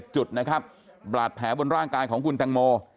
จุดนะครับบาดแผลบนร่างกายของคุณแตงโม